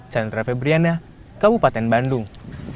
chandra febriana kabupaten bandung